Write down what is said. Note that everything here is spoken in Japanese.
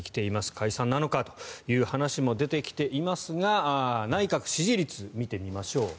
解散なのかという話も出てきていますが内閣支持率を見てみましょう。